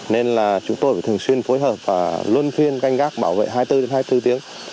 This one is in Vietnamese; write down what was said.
nên là chúng tôi thường xuyên phối hợp và luân phiên canh gác bảo vệ hai mươi bốn hai mươi bốn tiếng